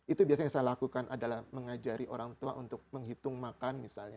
itu biasanya yang saya lakukan adalah mengajari orang tua untuk menghitung makan misalnya